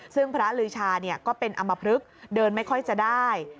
ซึ่งพระลือชาก็เป็นอำมพลึกเดินไม่ค่อยจะได้